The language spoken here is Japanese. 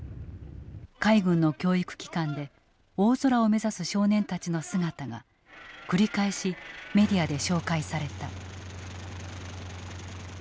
海軍の教育機関で大空を目指す少年たちの姿が繰り返しメディアで紹介された。